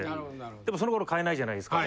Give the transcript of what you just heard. でもその頃買えないじゃないですか。